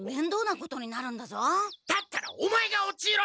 だったらオマエが落ちろ！